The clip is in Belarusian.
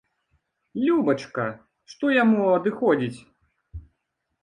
Любачка, што яму адыходзіць?